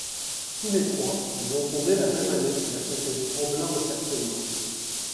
Tous les trois, ils ont fondé la même année la société Amblin Entertainment.